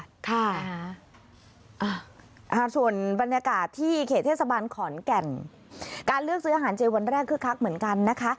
ค่ะอ่าส่วนบรรยากาศที่เขตเทศบาลขอนแก่นการเลือกซื้ออาหารเจวันแรกคึกคักเหมือนกันนะคะ